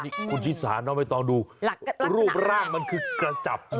คุณที่สามารถไม่ต้องดูรูปร่างมันคือกระจับจริงนะ